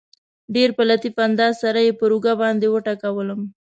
ډېر په لطیف انداز سره یې پر اوږه باندې وټکولم.